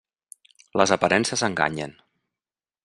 Les aparences enganyen.